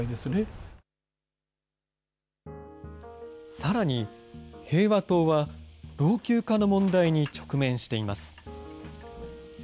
さらに、平和塔は老朽化の問題に直面しています。